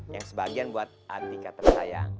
yang sebagian buat antika tersayang